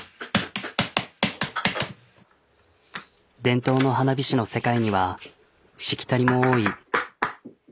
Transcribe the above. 伝統の花火師の世界にはしきたりも多い。